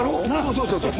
そうそうそう。